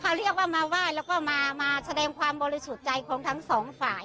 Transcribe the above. เขาเรียกว่ามาไหว้แล้วก็มาแสดงความบริสุทธิ์ใจของทั้งสองฝ่าย